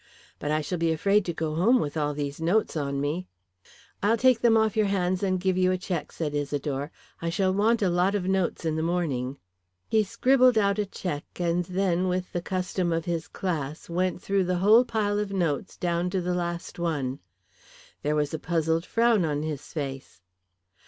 But I shall be afraid to go home with all these notes on me." "I'll take them off your hands and give you a cheque," said Isidore. "I shall want a lot of notes in the morning." He scribbled out a cheque, and then, with the custom of his class, went through the whole pile of notes down to the last one. There was a puzzled frown on his face.